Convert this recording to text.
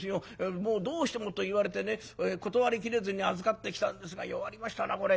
どうしてもと言われてね断り切れずに預かってきたんですが弱りましたなこれ。